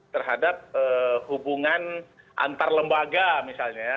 terhadap hubungan antar lembaga misalnya ya